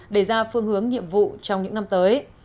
để ra phương hướng nhiệm vụ trong những năm tới